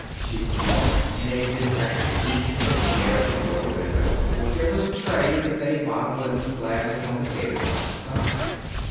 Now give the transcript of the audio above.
She was slumped in a dejected heap in a chair before the window. There was a tray, with a bottle and some glasses on the table by her side.